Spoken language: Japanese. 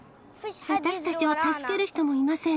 私たちを助ける人もいません。